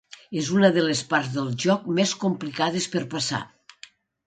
És una de les parts del joc més complicades per passar.